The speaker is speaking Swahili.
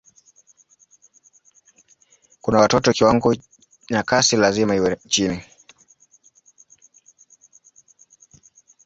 Kwa watoto kiwango na kasi lazima iwe chini.